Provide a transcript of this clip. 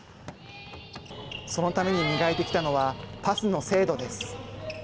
そのために磨いてきたのは、パスの精度です。